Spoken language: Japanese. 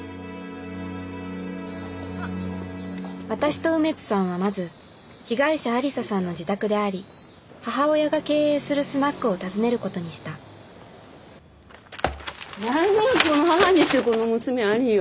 私と梅津さんはまず被害者愛理沙さんの自宅であり母親が経営するスナックを訪ねることにした何が「この母にしてこの娘あり」よ！